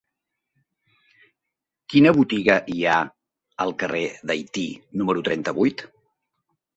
Quina botiga hi ha al carrer d'Haití número trenta-vuit?